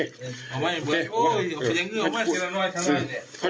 พระอยู่ที่ตะบนพนมไพรครับ